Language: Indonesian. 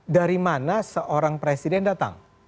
dari mana seorang presiden datang